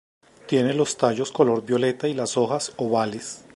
Tiene los tallos de color violeta y las hojas ovales.